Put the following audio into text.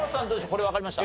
これわかりました？